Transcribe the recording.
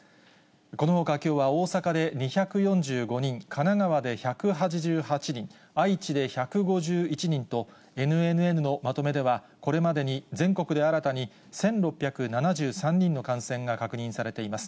このほか、きょうは大阪で２４５人、神奈川で１８８人、愛知で１５１人と、ＮＮＮのまとめでは、これまでに全国で新たに１６７３人の感染が確認されています。